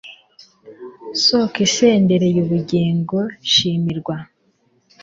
soko isendereye ubugingo, shimirwa